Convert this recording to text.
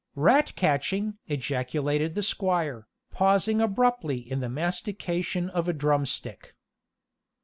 "Rat catching!" ejaculated the squire, pausing abruptly in the mastication of a drumstick.